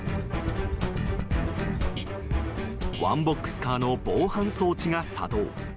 ワンボックスカーの防犯装置が作動。